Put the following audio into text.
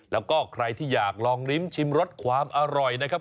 แล้วก็ใครที่อยากลองลิ้มชิมรสความอร่อยนะครับ